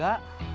ada di braga